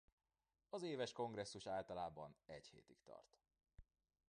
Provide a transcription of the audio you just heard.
Az Éves kongresszus általában egy hétig tart.